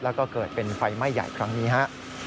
แล้วก็เกิดเป็นไฟไหม้ใหญ่ครั้งนี้ฮะ